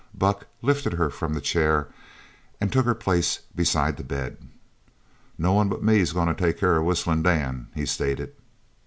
Buck lifted her from the chair and took her place beside the bed. "No one but me is goin' to take care of Whistlin' Dan," he stated.